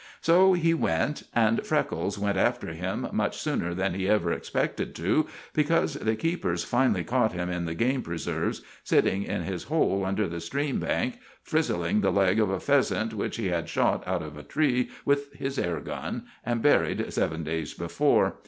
So he went, and Freckles went after him much sooner than he ever expected to, because the keepers finally caught him in the game preserves, sitting in his hole under the stream bank, frizzling the leg of a pheasant which he had shot out of a tree with his air gun and buried seven days before.